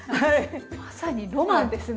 まさにロマンですね